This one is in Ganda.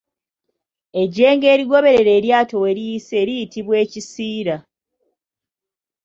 Ejjengo erigoberera eryato we liyise liyitibwa ekisiira